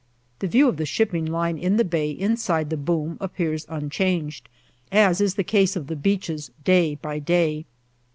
The view of the shipping lying in the bay inside the boom appears unchanged, as is the case of the beaches day by day.